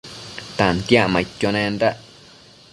Tantiacmaidquio nendac